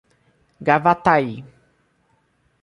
Gravataí